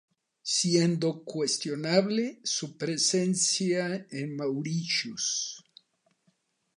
Siendo cuestionable su presencia en Mauritius.